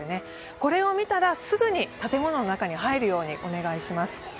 これを見たらすぐに建物の中に入るようにお願いします。